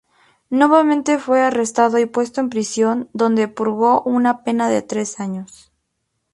Nuevamente fue arrestado y puesto en prisión, donde purgó una pena de tres años.